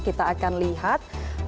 kita akan lihat